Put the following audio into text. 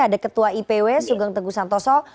ada ketua ipw sugeng teguh santoso